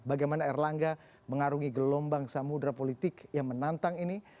bagaimana erlangga mengarungi gelombang samudera politik yang menantang ini